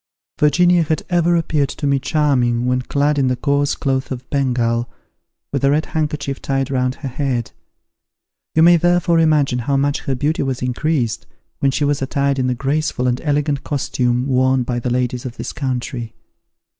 Virginia had ever appeared to me charming when clad in the coarse cloth of Bengal, with a red handkerchief tied round her head: you may therefore imagine how much her beauty was increased, when she was attired in the graceful and elegant costume worn by the ladies of this country!